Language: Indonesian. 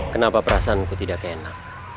kenapa perasaanku tidak kena